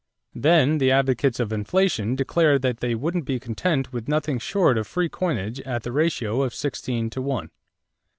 Then the advocates of inflation declared that they would be content with nothing short of free coinage at the ratio of sixteen to one.